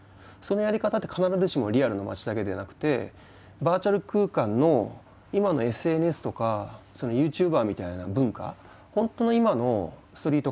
そのやり方って必ずしもリアルの街だけではなくてバーチャル空間の今のＳＮＳとかユーチューバーみたいな文化。